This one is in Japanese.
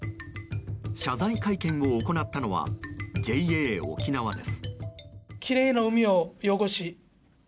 謝罪会見を行ったのはＪＡおきなわです。